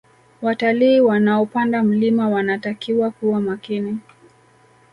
Watalii wanaopanda mlima wanatakiwa kuwa makini